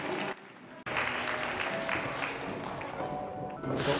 おめでとう。